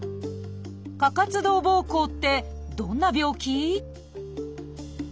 「過活動ぼうこう」ってどんな病気？